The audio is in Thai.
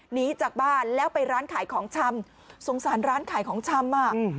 หนีจากบ้านแล้วไปร้านขายของชำสงสารร้านขายของชำอ่ะ